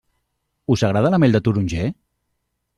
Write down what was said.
Us agrada la mel de taronger?